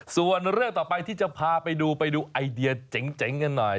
ส่วนเรื่องต่อไปที่จะพาไปดูไปดูไอเดียเจ๋งกันหน่อย